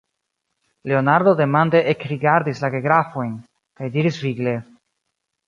Leonardo demande ekrigardis la gegrafojn, kaj diris vigle: